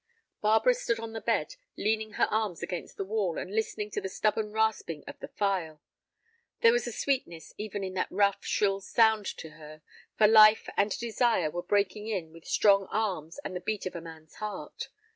Barbara stood on the bed, leaning her arms against the wall and listening to the stubborn rasping of the file. There was a sweetness even in that rough, shrill sound to her, for life and desire were breaking in with strong arms and the beat of a man's heart.